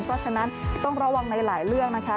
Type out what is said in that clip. เพราะฉะนั้นต้องระวังในหลายเรื่องนะคะ